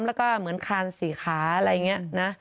แล้วก็เหมือนคานสี่ขาอะไรอย่างนี้นะ